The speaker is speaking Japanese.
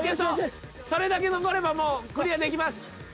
それだけ残ればもうクリアできます。